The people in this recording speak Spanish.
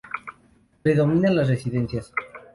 Predominan las residencias.